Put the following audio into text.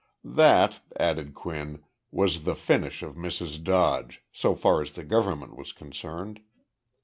"That," added Quinn, "was the finish of Mrs. Dodge, so far as the government was concerned.